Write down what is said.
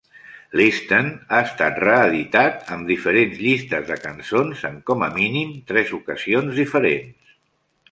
"Listen" ha estat reeditat amb diferents llistes de cançons en, com a mínim, tres ocasions diferents.